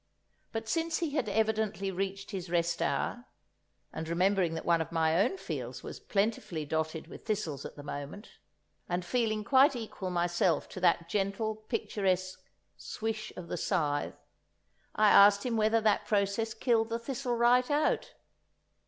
But since he had evidently reached his rest hour—and remembering that one of my own fields was plentifully dotted with thistles at the moment, and feeling quite equal myself to that gentle picturesque swish of the scythe—I asked him whether that process killed the thistle right out?